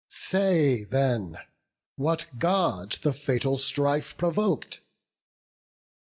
Say then, what God the fatal strife provok'd?